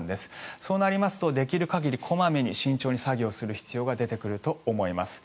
そうなりますとできる限り小まめに慎重に作業する必要が出てくると思います。